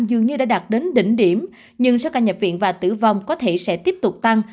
dường như đã đạt đến đỉnh điểm nhưng số ca nhập viện và tử vong có thể sẽ tiếp tục tăng